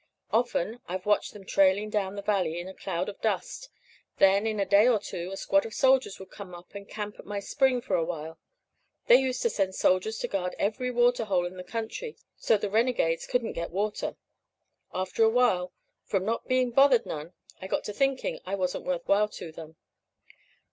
Often I've watched them trailing down the valley in a cloud of dust. Then, in a day or two, a squad of soldiers would come up and camp at my spring for a while. They used to send soldiers to guard every water hole in the country so the renegades couldn't get water. After a while, from not being bothered none, I got to thinking I wasn't worth while with them.